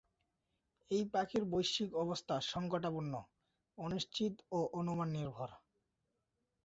এই পাখির বৈশ্বিক অবস্থা সংকটাপন্ন, অনিশ্চিত ও অনুমান নির্ভর।